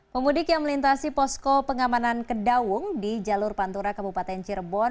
pemudik yang melintasi posko pengamanan kedawung di jalur pantura kabupaten cirebon